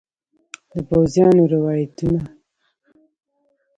د پوځیانو روایتونه